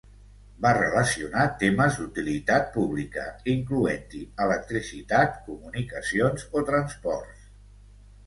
Va relacionar temes d'utilitat pública, incloent-hi electricitat, comunicacions o transports.